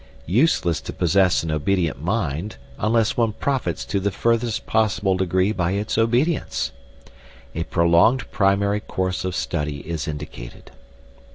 Useless to possess an obedient mind unless one profits to the furthest possible degree by its obedience. A prolonged primary course of study is indicated.